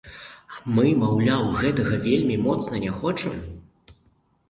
А мы, маўляў, гэтага вельмі моцна не хочам.